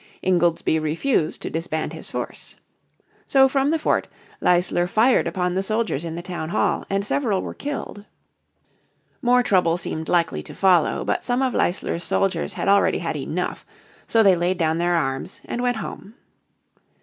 Ingoldsby refused to disband his force. So from the fort Leisler fired upon the soldiers in the town hall, and several were killed. More trouble seemed likely to follow, but some of Leisler's soldiers had already had enough, so they laid down their arms and went home.